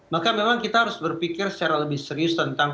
maka memang kita harus berpikir secara lebih serius tentang